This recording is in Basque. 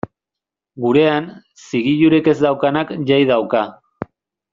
Gurean, zigilurik ez daukanak jai dauka.